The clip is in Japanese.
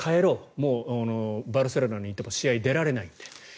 もうバルセロナにいても試合に出られないんで。